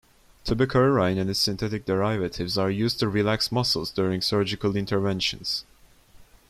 Tubocurarine and its synthetic derivatives are used to relax muscles during surgical interventions.